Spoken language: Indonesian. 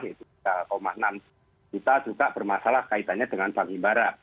itu tiga enam juta juga bermasalah kaitannya dengan bank ibarat